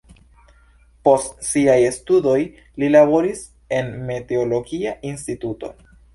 Post siaj studoj li laboris en meteologia instituto.